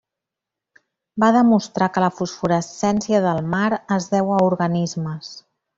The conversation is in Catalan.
Va demostrar que la fosforescència del mar es deu a organismes.